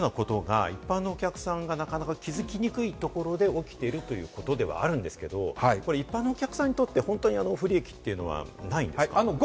そういうことが一般のお客さんが気づきにくいところで起きているということではあるんですけれども、一般のお客さんにとって不利益というのはないんですか？